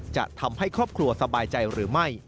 จะทำให้ครอบครัวสบายใจหรือไม่